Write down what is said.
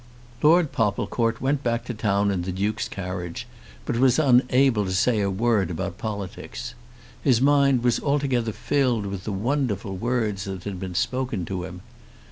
Lord Popplecourt went back to town in the Duke's carriage, but was unable to say a word about politics. His mind was altogether filled with the wonderful words that had been spoken to him.